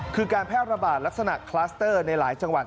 คือการแพร่ระบาดลักษณะคลัสเตอร์ในหลายจังหวัด